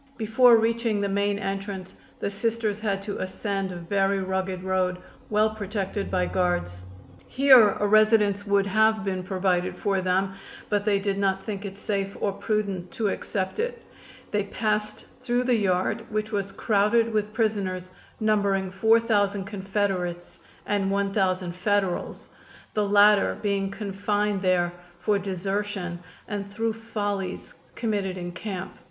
Before reaching the main entrance the Sisters had to ascend a very rugged road, well protected by guards. Here a residence would have been provided for them, but they did not think it safe or prudent to accept it. They passed through the yard, which was crowded with prisoners, numbering four thousand Confederates and one thousand Federals, the latter being confined there for desertion and through follies committed in camp.